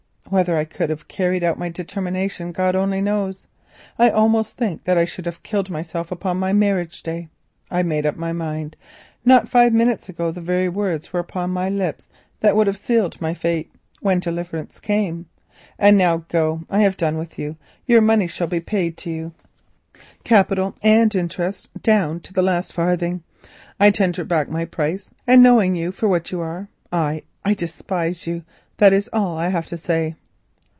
Whether I could have carried out my determination God only knows. I almost think that I should have killed myself upon my marriage day. I made up my mind. Not five minutes ago the very words were upon my lips that would have sealed my fate, when deliverance came. And now go. I have done with you. Your money shall be paid to you, capital and interest, down to the last farthing. I tender back my price, and knowing you for what you are, I—I despise you. That is all I have to say."